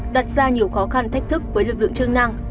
đặt ra nhiều khó khăn thách thức với lực lượng chức năng